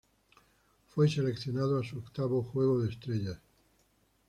Fue seleccionado a su octavo Juego de Estrellas.